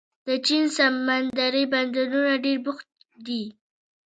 د چین سمندري بندرونه ډېر بوخت دي.